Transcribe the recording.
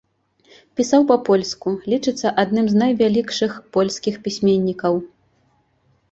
Пісаў па-польску, лічыцца адным з найвялікшых польскіх пісьменнікаў.